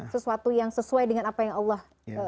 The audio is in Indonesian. sesuatu yang sesuai dengan apa yang allah